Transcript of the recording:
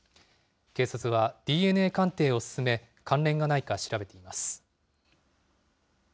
警察はＤＮＡ鑑定を進め、関連がないか調べています。